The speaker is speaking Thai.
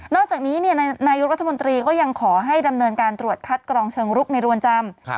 อกจากนี้นายุทธมนตรีก็ยังขอให้ดำเนินการตรวจคัดกรองเชิงรุกในรวนจำ